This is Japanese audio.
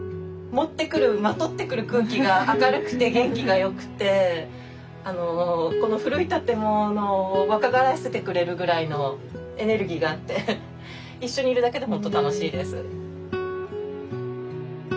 持ってくるまとってくる空気が明るくて元気がよくてこの古い建物を若返らせてくれるぐらいのエネルギーがあって一緒にいるだけでほんと楽しいです。